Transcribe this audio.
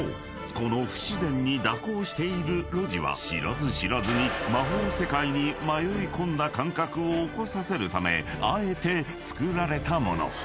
この不自然に蛇行している路地は知らず知らずに魔法世界に迷い込んだ感覚を起こさせるためあえて造られたもの］